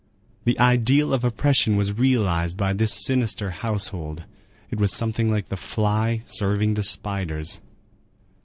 The ideal of oppression was realized by this sinister household. It was something like the fly serving the spiders.